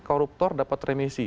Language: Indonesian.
koruptor dapat remisi